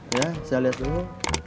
iya saya liat dulu